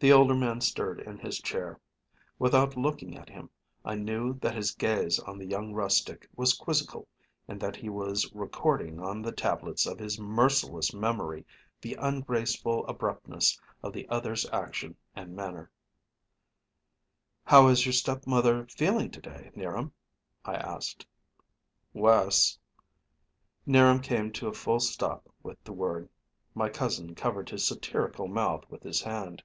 The older man stirred in his chair. Without looking at him I knew that his gaze on the young rustic was quizzical and that he was recording on the tablets of his merciless memory the ungraceful abruptness of the other's action and manner. "How is your stepmother feeling to day, 'Niram?" I asked. "Worse." 'Niram came to a full stop with the word. My cousin covered his satirical mouth with his hand.